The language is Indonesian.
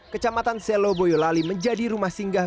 kecamatan selo boyolali menjadi rumah singgah